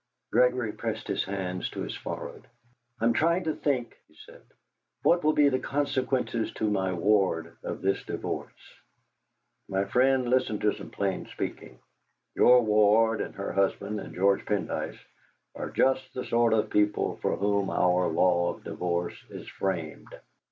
Gregory pressed his hands to his forehead. "I'm trying to think," he said, "what will be the consequences to my ward of this divorce." "My friend, listen to some plain speaking. Your ward and her husband and George Pendyce are just the sort of people for whom our law of divorce is framed.